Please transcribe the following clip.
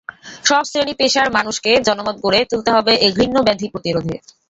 সব শ্রেণিপেশার মানুষকে জনমত গড়ে তুলতে হবে এ ঘৃণ্য ব্যাধি প্রতিরোধে।